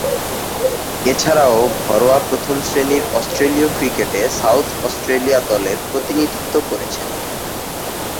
এছাড়াও, ঘরোয়া প্রথম-শ্রেণীর অস্ট্রেলীয় ক্রিকেটে সাউথ অস্ট্রেলিয়া দলের প্রতিনিধিত্ব করেছেন।